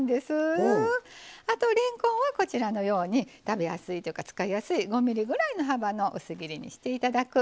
あとれんこんはこちらのように食べやすいというか使いやすい５ｍｍぐらいの幅の薄切りにしていただく。